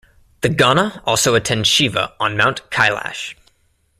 The gana also attend Shiva on Mount Kailash.